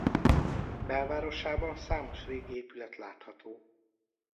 Belvárosában számos régi épület látható.